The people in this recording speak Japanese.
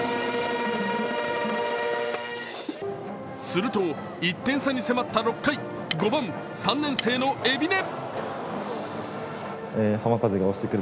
すると１点差に迫った６回５番、３年生の海老根。